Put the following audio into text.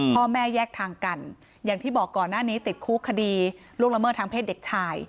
พ่อแม่แยกทางกันอย่างที่บอกก่อนหน้านี้ติดคุกคดีล่วงละเมิดทางเพศเด็กชาย